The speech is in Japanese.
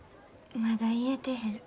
まだ言えてへん。